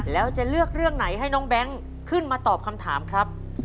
แล้วจะเลือกเรื่องไหนให้น้องแบงค์ขึ้นมาตอบคำถามครับ